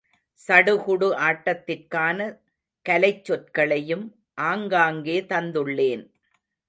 சடுகுடு ஆட்டத்திற்கான கலைச் சொற்களையும் ஆங்காங்கே தந்துள்ளேன்.